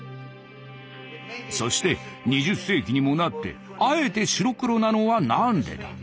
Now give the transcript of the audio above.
そして２０世紀にもなってあえて白黒なのは何でだ？